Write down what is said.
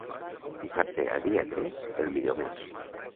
Dissabte a dia tres, el millor mes.